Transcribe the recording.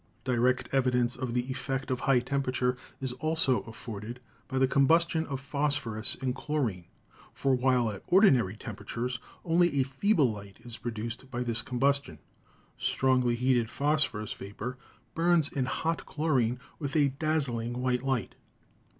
Direct evidence of the effect of high temperature is also afforded by the combustion of phosphorus in chlorine, for while at ordinary temperatures only a feeble light is produced by this combustion, strongly heated phosphorus vapor burns in hot chlorine with a dazzling white light.